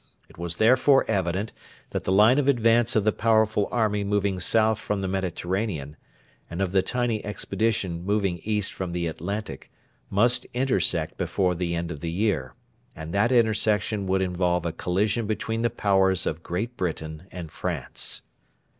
It was therefore evident that the line of advance of the powerful army moving south from the Mediterranean and of the tiny expedition moving east from the Atlantic must intersect before the end of the year, and that intersection would involve a collision between the Powers of Great Britain and France.